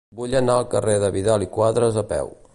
Vull anar al carrer de Vidal i Quadras a peu.